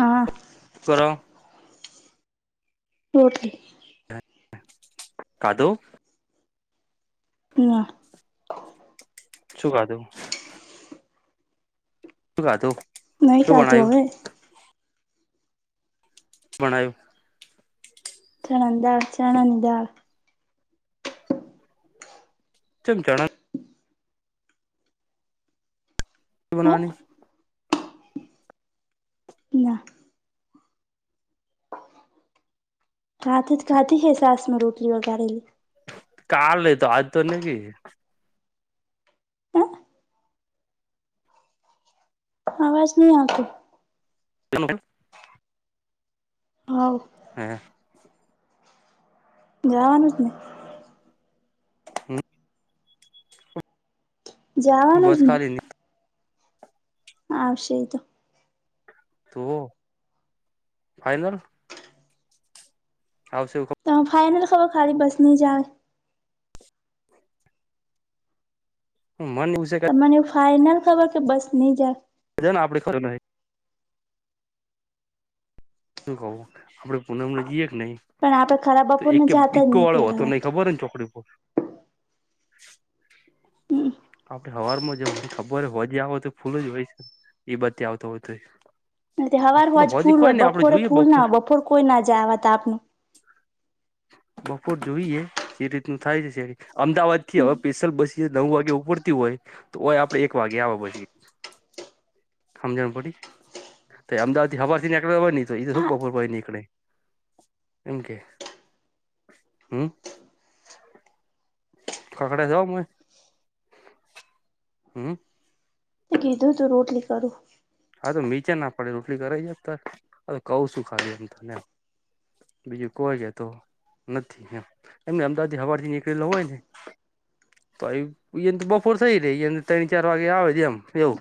હા કર ઓકે કાદો હમ શું ખાધું તું હા તું નહી ખાતું હવે ભણાયુ ચણા ની દાળ ચણા ની દાળ ચમ ગણ હે બનાની ના ખાતી ખાતી હે સાસમાં રોટલી વગારેલી. કાલ લે તો આજ તો નહિ. હે અવાજ નહી આવતી [inaudible] હ ઉ હે જવાનું જ ને [inaudible] જવાનું બસ જ ને ખાલી આવશે એતો તો ફાઈનલ આવશે એવુ ખબર તો ખાલી બસની જાય હમ્મ મન એવું સે કે ફાાઈનલ ખબર કે બસ નહી જા હજાને આપડે ફરને આયે શું કહવું આપડે પૂનમને જઈએે કે નહી પણ આપડે ખરા એક બપોરને કે જાતા જ બીકો નહી વાળો પેલા હતો વાત નહી ખબર ને ચોકડી [inaudible] હમ આપડે હવારમાં જ મને ખબર હોય હો જે આવ તો ફૂલ જ હોય છે એ બાજતે આવતો હોય તો એ હવારવાજ હોજી ફૂલ કોઈ હોય નઈ આપડે બપોરે જોઈએ ફૂલ ના હોય બપોર કોઈ ના જાય આવા તાપમાં બપોર જોઈએ જે રીતનું થાય છે અમદાવાદ થી હમ હવે સ્પેશિયલ બસ નવ વાગે ઉપડતી હોય તો ઓય આપડે એક વાગે આવે પછી હમજણ પડી તો અમદાવાદથી હવાર નીકળે હોય નહ તો એ થક હા બપોર પય નીકળે એમ કે હમ્મ ખાખડા જાઓ હ હમ્મ કીધું તું રોટલી કરું હા તો નીચે ના પડે રોટલી કરાઈ જ ત હવે કહ છું ખાલી આમ તને બીજું કોઈ કે તો નથી એમ એમ અમદાવાદ હવા થી નીકળેલો હોય ને તો બપોર થઈ રે ત્રણ ચાર વાગે આવે છે એમ એવું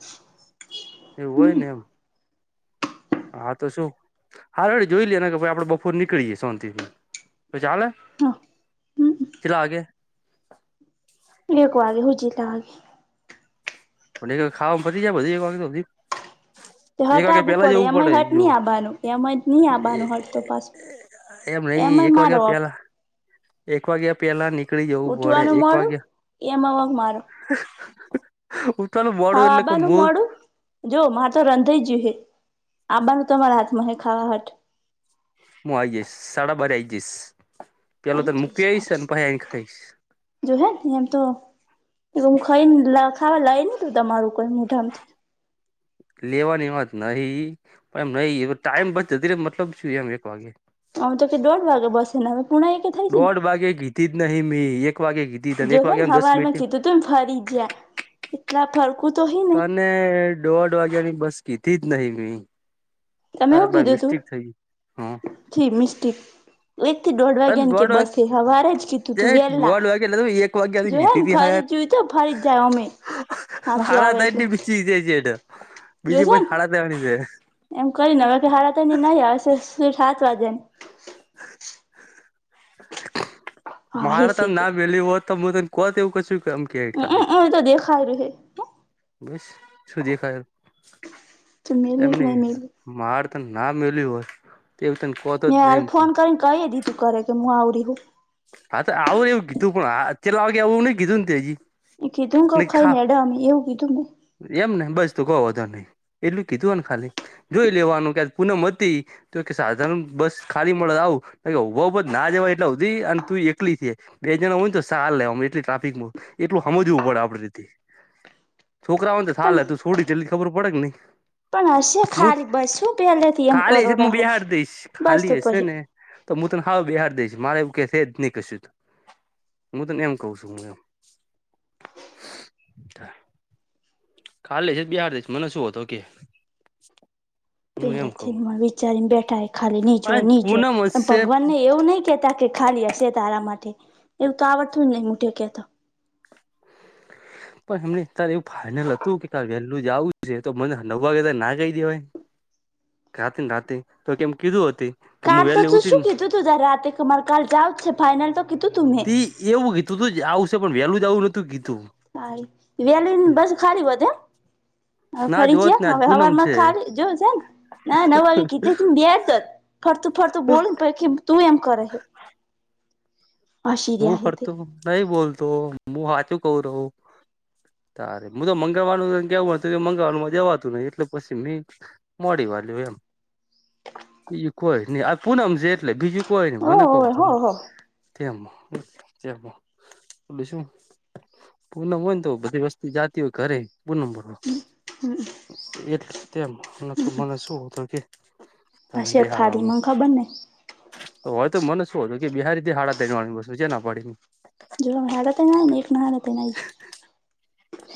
એવું હોય હમ ને એમ હા તો શું હા રડ જોઈ લેએને કે ભ આપડે બપોર નીકળીએે સોંતિથી કો ચાલે હા હમ કેટલા વાગ્યે એક વાગે હુ જેટલાં વાગે અને ખાવા પતી જાય બધી એક વાગે સુધી હટ આવવું પડે એમાં હટ જો નહી આવવાનું એમાં જ નહી આવનું હટ તો પાછું એમ નઈ એમાંય એક મારો વાગ્યા હક પેલા એક વાગ્યા પેલા ની નીકળી જવું પડે ઉઠવાનું એક મોડું વાગ્યા એમાં વક ઉઠવાનું હા મોડું એટલે કે આબાનું મુ મોડું જો મા તો રંધાઈ જય હ આ બાનું તમારા હાથમાં હ ખાવા હાટ હું આવી જઈશ સાડા બારે આઈ જઈશ પેલો તને મૂકી આવીશ અને પછી આઈને ખાઈશ જોહે એમ તો હું ખાઈ ખાવા લઈ નને તું તમારું કોઈ મોઢામાંથી લેવાની વાત નહી પણ એમ નહી ટાઈમ બતો મતલબ શું એમ એક વાગે આમ તો કે દોઢ વાગે બસે ને હવે પુણા એકે થઈ જ ને દોઢ ભગે ઘીતી જ નહી મી એક એક વાગે કીધી તને જો એક હે ને વાગ્યા એમ દસ હવારમાં મિનિટ કીધું તું ને ફરી જ્યા એટલા ફરકું તો હી ને તને દોઢ વાગ્યાની બસ કીધી જ નહિ તમે એવું કીધું તું હ જી મિસ્ટી એક થી દોઢ તને વાગ્યા ને કે વાગે બસે સવારે જ કીધું તે તું વેલા દોઢ વાગે એટલે એક વાગ્યાની જો હે ને ફરી ત તો ફરી જાય અમે હાચું હાડા આવે થ એટ એટલે બીછ જ છેટ બીજી જોશે પછી ને હાડા થવાની છે એમ કરીને હાડા તયને કહ્યું નહી આવશે સાત વાગે હ મારે તમ સીતે ના પેલી હો ત હ તને કો એવું કશું એમ કે ખાલી હમમ એ તો દેખાય ર હે હ બસ શું દેખાય તો મેલી કે એમની નહી મેલી માર ત ના મેલ્યું હોય તે તને કહતો જ નહી હું કઈ દ તું કરે કેું આવરી હું હા તો આવું એવું કીધું પણ ચેટલા વાગે આવું એ નહીં કીધું ને તેં એ કીધું કઉ હજી ખાઈ ખા ને એડા અમે એવું કીધું મેં એમ ને બસ તું કવ એટલું કીધું ખાલી જોઈ લેવાનું કે પૂનમ હતી તો સાધન બસ ખાલી મળે આવું તા કે ઉભ ઉભ ના જવાય એટલે સુધી અન તું એટલી થ બે જણા હોય ને તો સા લે એટલી ટ્રાફિક એટલું સમજવું પડે આપડથી છોકરા હોયને પણ હાલે તું છોડી તેટલી ખબર પડે કે નઈ પણ હશે હું ખાલી બસ શું પહેલેથી એમ ખાલી કરો હશે હું રાહો બેહાડી દઈશ બસ ખાલી તો હશે પહી ને તો હું તને હાવ બેહાર દઈશ મારે એવું કે છે નહી કશું તો હું તને એમ કહ છું હું એમ [unintelligible] ખાલી હશે તો હું તન બેહાર દેશ મને શું વાંધો હ કે હું એમ પેલા કઉ થી ને વિચારીને બેઠા ખાલી નીજ હોય પણ નીજ હોય પૂનમ પણ હશે ભગવાન ને એવું નહી કેતા કે ખાલી હશે તારા માટે એવું તો આવડતું જ નહીંટી હ કે તો [unintelligible] પણ એમને ત્યારે એવું ફાઈનલ હતું કે વેલું જવું છે તો મને નવ વાગે ત ના કહી દેવાય રાતીને રાતે તો કેમ કીધું હતું કાલ તો શું કીધું તું તારે રાતે મારે કાલ જઉા જ છે ફાાઈનલ તો કીધું તું મેં ત એવું કીધું તુ કે આવવું શે પણ વહેલું જ આવવું નતું કી હ વલી બસ ખલી હોધ હ ના ફરી જ જોત ને આજ હવે હવાર પૂનમ માં છે ખાલી જોયું છેને ના નવ વાગે કીધને બેતો જ ફરતું ફરતું બોલ પ કે તું એમ કરેે [inaudible] હું હે તે ફરતો નહી બોલતો હું સાચું કવ રહું તારે હું તો મંગળવાનું કેવું હતું કે મંગળવાનું જવાતું નહી એટલે પછી મે મોડી એમ બીજું કોઈ નહી આ પૂનમ છે એટલે બીજું કોઈ ન ઓ મને ક હોવે હો હોને હો ત્યાં જેઓ બીજું શું પૂનમ હોય ને તો બધી વસ્તી જતી હોય ઘરે પૂનમ ભ એટલે તેમ તો મને શું હતું કે તને હશે ખાલી બિહારવામાં મંગ ખબર ને હોય તો મને શું હતું કે બિહારીથી હાડા ત્રણ વાગે મેં ચા ના પાડી જોવા હાડા ત્રણ ના ને એક ના હાડા ત્રણ આવે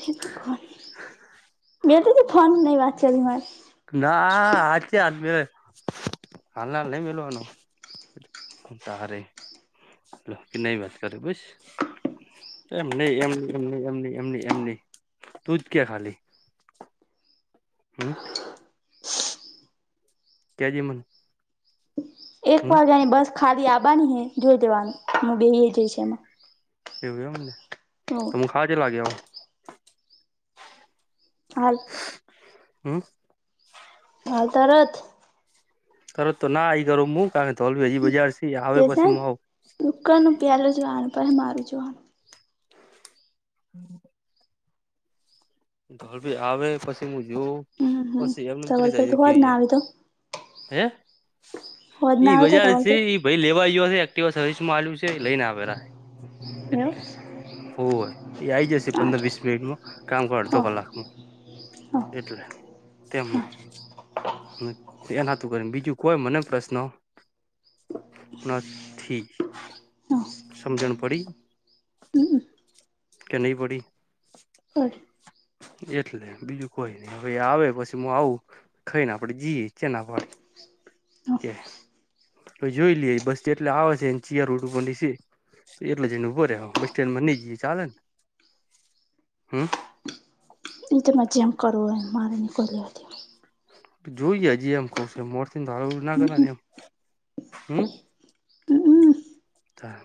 હે ભગવાન મેલજે તું ફોન માર નહીં કરવી વાત ના આ છે આજ મે હાલ હાલ નહી મેલવાનું તારે કે નહી વાત કરે બ સ એમ નહી એમ એમ ન એમ ન એમ ન એમ ન તું જ કે ખાલી લી હમ કે જે મને એક હમ વાગ્યા ની બસ ખાલી આવાની હે જોઈ જેવાનું હું બે જઈશ એમાં એવું એમને હોવે તોમુ હા ચેટલા વાગે આવું હાલ [unintelligible] તરત. તરત તો ના, આઈ કરો. હું કારણ તો, હજી બજાર આવે, જશે પછી ને. આવ. દુકાનનું પેલું જોવાનું મારું જોવાનું. હમ. ઘર ભી આવે, પછી મે. જો હમ હમ પછી એમ નેમ ધવલભાઈ જાય તો કે હોજ ના આવે તો. હે. હોજ ઈ ના આવે તો બજાર છે, ધવલભાઈ એ ભાઈ લેવા આવ્યો. એક્ટવા સર્વિસ માંગ્યું છે, લઈ ને આવેલા. એવું એટલે હોય, એ આ આવી જશે, હારું પંદર-વીસ મિનિટમાં કામ પર. અડધો હો કલાકમાં, હો એટલે તેમ. હારું. એ નાતું કર્યું, બીજું કોઈ મને પ્રશ્ન? નથી હો સમજણ પડી. હમ કે નહીં પડી. પડી એટલે, બીજું કોઈ નઈ. હવે આવે પછી હું આવું, ખાઈ ને આપડે જઈએ એના પાડી. હો કે જોઈ લઈએ, બસ એટલે આવે છે. ચીય રોટ ઉપર છે. એટલે જઈને ઊભો રે બસ સ્ટેન્ડમાં, નઈ જઈએ, ચાલે ને? હું. એ તો પછી આમ કરવું પડે. જોઈ જજે, એમ કશ મોડથીને ધારું ના હમ કરે હમ ને, એમ. હમ. હમ હમ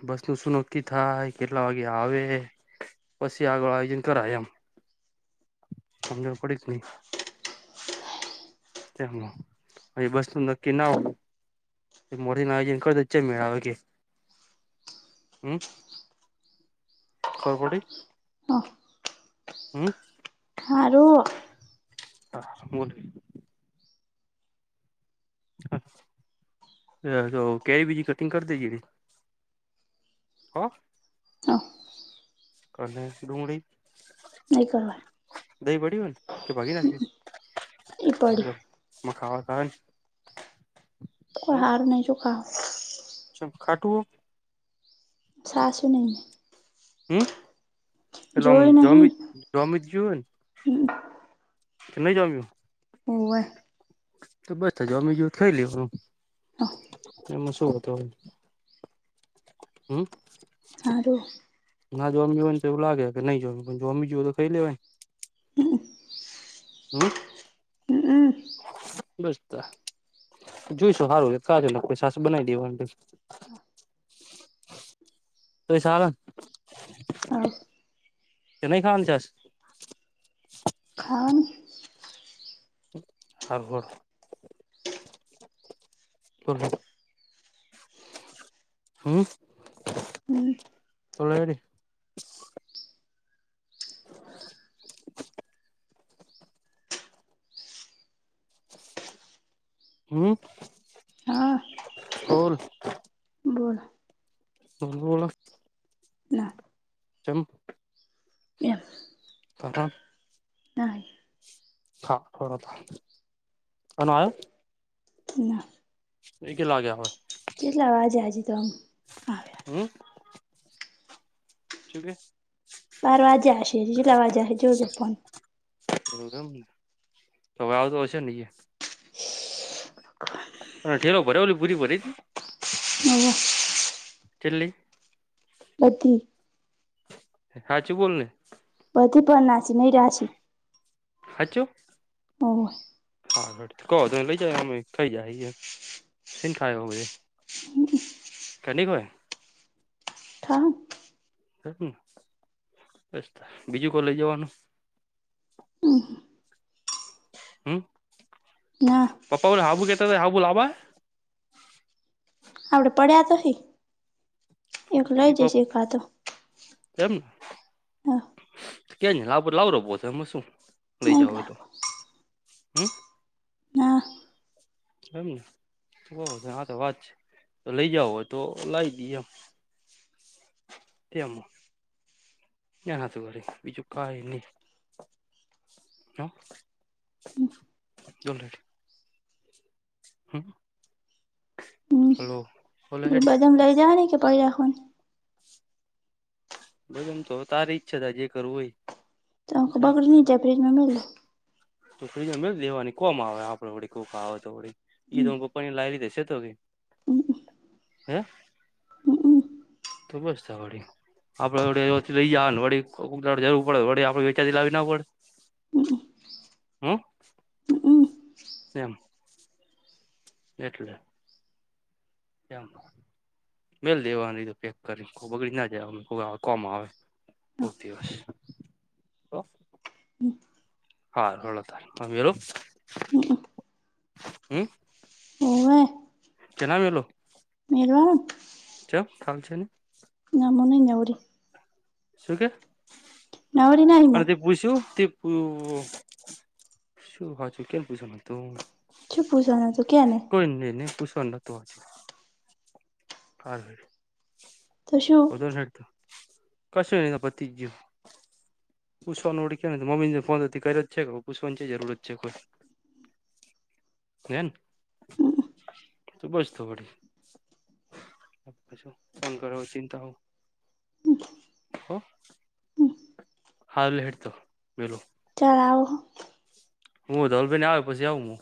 બસ નું શું નક્કી થાય? કેટલા વાગે આવે? પછી આગળ આજ કરાય, એમ સમજ પડી જ નહીં. તેમ, હ, બસતું નક્કી ના હો. મો ના આવી છે ખચચે મેળ આવે કે હમ [unintelligible] ખબર પડી. હો [unintelligible] હારું. [unintelligible] તો કે, બીજી કટિંગ કર દે, જે. હ, હો કને ડુંગળી. નઈ કરવાનું દહીં પડી હોને, કે ભાગી નાખી. ઈ પડ્યું. ખાવા તો આવે. તો કોઈ હાર નહીં, તુ ખા. ચમ ખાટુંઓ. સા, શું નહીને? હમ, એલોમ જમ, નહી જમિત જુવન. કે ન જામ. હોવે. તો બસ, હજુ અમે જો થઈ લેવા. [unintelligible] એમાં શું હતું? હમ. [unintelligible] ના, જોવામી હોય ને, તો એવું લાગે કે, નહીં, જોમ જમી જાવ તો ખાઈ લેવાય. હમ [unintelligible] જોઈશું. સારું, કાલે છાશ બનાવી દઈશું. તમે સારા. [unintelligible] તમે નાઈ ખાઈ જવાના હો? ખાવાની. હા, કરું. [unintelligible] હમ. હમ [unintelligible] હમ. હા [unintelligible] બોલો [unintelligible] ના [unintelligible] [unintelligible] [unintelligible] ના હા [unintelligible] ના એકે લાગ્યા હોય. કેટલા હમ [unintelligible] શું કેઈ? બાર વાજા હશે [unintelligible] જોજો પણ. [unintelligible] તોવે આવતો હશે ને અહીંયા ઠેલો ભરી ઓલી પૂરી ભરી હતી? [unintelligible] ચિલ્લી. બતિ. હાચું બોલને? [unintelligible] નાસી નહી રાશી. હાચું? ઓ આગળ કહો ત લઈ જ અમે થઇ જાય સ થાય [unintelligible] [unintelligible] હા. ને બ બીજું કો લઈ જવાનું? ઓહ હમ. ના. [unintelligible] હા બોલ [unintelligible] આપડે પડ્યા તો હ, એક લઈ જઈશખા તો. ક્યા ન લ લાવ ર તો એમાં શું લઈ નહી જાવ હોય તો. લાવો હમ? ના એમનેબ છે હા તો વાત છે તો લઈ જાવ હોય તો લાવી દઈ એમ. એમ ક્યા હતું ગાડી બીજું કઈની. [unintelligible] [unintelligible] હમ હલો. બોલો હેડ બદમ લઈ જવાની કે [unintelligible] બધ એમ તો તારી ઈચ્છા ત જે કરું હોય. ત એમ બકડી [unintelligible] તો ફ્રીજમાં મે દેવાની કોમાં આવે આપડેડી કોકા આવે તો એઈપ લાવી લીધે છે તો કે હે તો બસ થા વળી. આપડે વડ લઈ જ ને વ જરૂર પડે વ આપડ વેચાતી લાવવી ના પડે. હમ. એમ એટલે. કેમ? બેલ [unintelligible] પેક કરીને બગડી ના જાય કોમ આવે. દો ઓકે ઓ હા હ તું હમ ઓવે. કેના મલું [unintelligible] [unintelligible] ચ ખાલ છે ને [unintelligible] ના મોને નવરી. શું કે નવરી નહી મુ અને તે પૂછ્યું તે? પ શું હચુ કેમ પૂછ તું. શું પૂછવાનું હતું કે ને કોઈ નહી નહી પૂછવા ના [unintelligible] તોશું. કશું એ પતિ ગયું. પૂછવાનું ઓળખે ને તો મમ્મી ને ફોન કર્યો જ છે કે પૂછવાની છે જરૂરત છે કોઈ. કેન તું બસ તો પછી. છું ફોન કર ચિંતા હો હો. હાલ હેતો મેલું. તાવ હું ધવલભાઈને આવે પછી આવું હું.